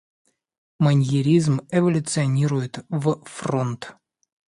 Маньеризм эволюционирует в фронт.